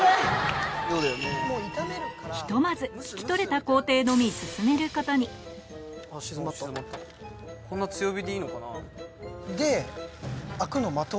ひとまず聞き取れた工程のみ進めることにこんな強火でいいのかな？